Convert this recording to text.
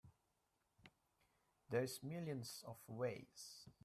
There's millions of ways.